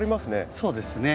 そうですね。